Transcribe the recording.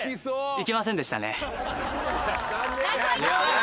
いけませんでしたね。